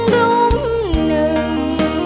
รุ่งหนึ่ง